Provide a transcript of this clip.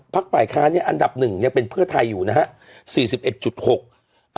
ภักดิ์ฝ่ายค้านี่อันดับหนึ่งยังเป็นเพื่อไทยอยู่นะฮะ๔๑๖